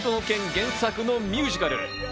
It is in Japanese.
原作のミュージカル。